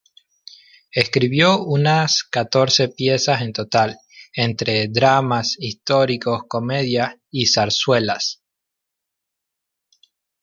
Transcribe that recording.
Escribió unas catorce piezas en total, entre dramas históricos, comedias y zarzuelas.